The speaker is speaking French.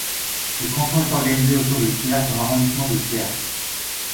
Ce canton est organisé autour de Thiers dans l'arrondissement de Thiers.